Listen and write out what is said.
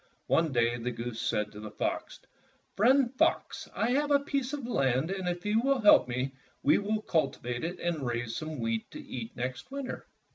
One day the goose said to the fox, ''Friend Fox, I have a piece of land, and if you will help me, we will cultivate it and raise some wheat to eat next winter."